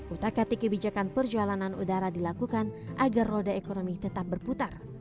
utak atik kebijakan perjalanan udara dilakukan agar roda ekonomi tetap berputar